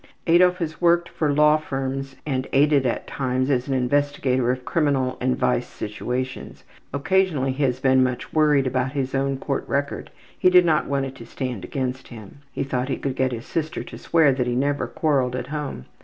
'' Adolf has worked for law firms and aided at times as an investigator of criminal and vice situations. Occasionally he has been much worried about his own court record. He did not want it to stand against him. He thought he could get his sister to swear that he never quarreled at home.